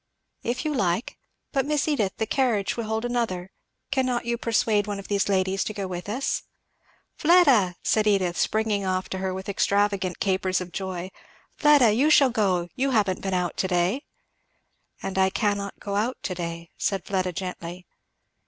"If you like. But Miss Edith, the carriage will hold another cannot you persuade one of these ladies to go with us?" "Fleda!" said Edith, springing off to her with extravagant capers of joy, "Fleda, you shall go! you haven't been out to day." "And I cannot go out to day," said Fleda gently.